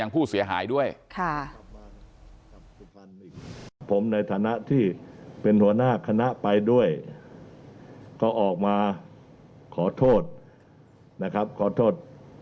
ผมในฐานะที่เป็นหัวหน้าคณะไปด้วยก็ออกมาขอโทษนะครับขอโทษ